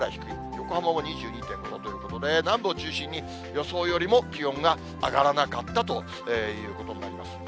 横浜も２２．５度ということで、南部を中心に予想よりも気温が上がらなかったということになります。